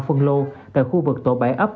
phân lô tại khu vực tổ bãi ấp